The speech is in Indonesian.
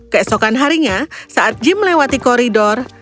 keesokan harinya saat gym melewati koridor